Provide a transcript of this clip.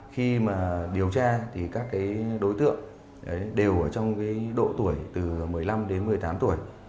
khi mà điều tra thì các đối tượng đều ở trong độ tuổi từ một mươi năm đến một mươi tám tuổi